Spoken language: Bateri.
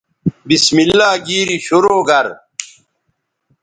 بسم اللہ گیری شرو گر